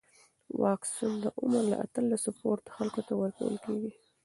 واکسن د عمر له اتلسو پورته خلکو ته ورکول کېږي.